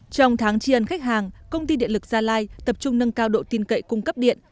trong tháng tri ân khách hàng công ty điện lực gia lai tập trung nâng cao độ tin cậy cung cấp điện